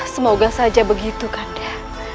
semoga saja begitu kanda